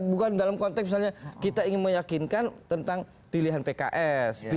bukan dalam konteks misalnya kita ingin meyakinkan tentang pilihan pks